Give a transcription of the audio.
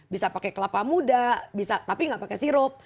bisa pakai kelapa muda bisa tapi nggak pakai sirup